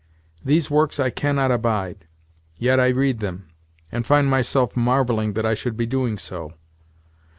These works I cannot abide, yet I read them, and find myself marvelling that I should be doing so.